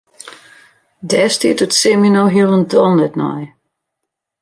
Dêr stiet it sin my no hielendal net nei.